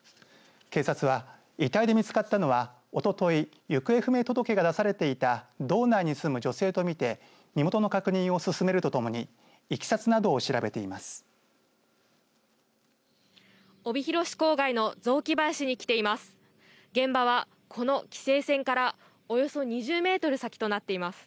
警察は遺体で見つかったのはおととい行方不明届が出されていた道内に住む女性とみて身元の確認を進めるとともにいきさつなどを調べています。